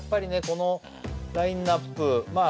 このラインナップまあ